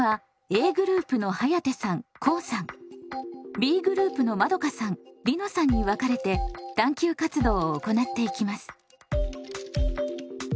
Ｂグループのまどかさんりのさんに分かれて探究活動を行っていきます。